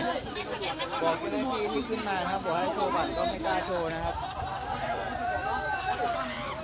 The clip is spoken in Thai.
ไม่กล้าโธนะครับ